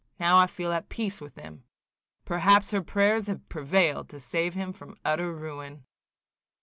Now I feel at peace with him. Perhaps her prayers have prevailed to save him from utter ruin."